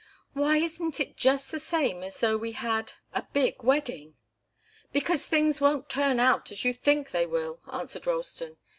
Why isn't it just the same as though we had a big wedding?" "Because things won't turn out as you think they will," answered Ralston.